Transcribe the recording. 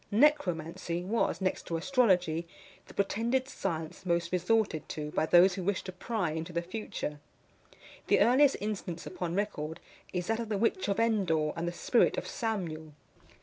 NECROMANCY was, next to astrology, the pretended science most resorted to, by those who wished to pry into the future. The earliest instance upon record is that of the witch of Endor and the spirit of Samuel.